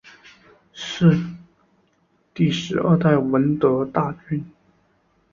是第十二代闻得大君。